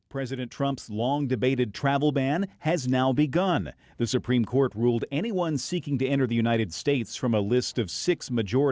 pada hari ini beberapa hubungan keluarga tersebut berdiri di atas api ini